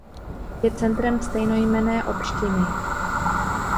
Je centrem stejnojmenné opštiny.